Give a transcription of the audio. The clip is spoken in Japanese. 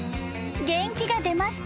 元気が出ました］